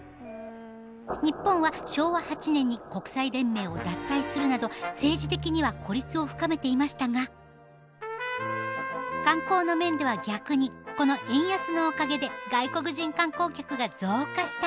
日本は昭和８年に国際連盟を脱退するなど政治的には孤立を深めていましたが観光の面では逆にこの円安のおかげで外国人観光客が増加したのです。